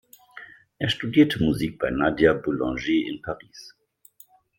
Er studierte Musik bei Nadia Boulanger in Paris.